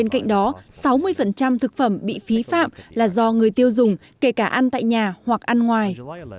cạnh đó sáu mươi thực phẩm bị phí phạm là do người tiêu dùng kể cả ăn tại nhà hoặc ăn ngoài